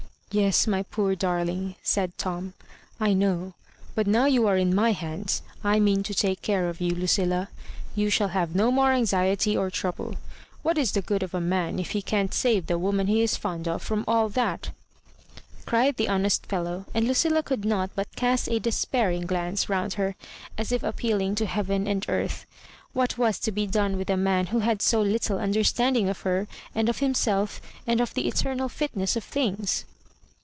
" "Yes, my poor darling," said Tom, "I know; but now you are in my hands I mean to take care of you, Lucilla; you shall have no more anxiety or trouble. What is the good of a man if he can't save the woman he is fond of from all that?" cried the honest fellow — and Lucilla could not but cast a despairing glance round her, as if appealing to heaven and earth. What was to be done with a man who had so little understanding of her, and of himself^ and of the eternal fitness of things